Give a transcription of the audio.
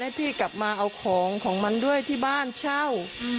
ให้พี่กลับมาเอาของของมันด้วยที่บ้านเช่า